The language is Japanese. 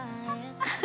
フフ。